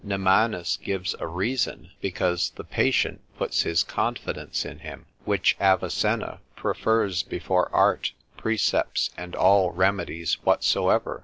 Nymannus gives a reason, because the patient puts his confidence in him, which Avicenna prefers before art, precepts, and all remedies whatsoever.